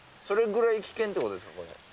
それぐらい危険ってことです